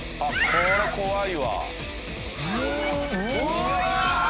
これ怖い！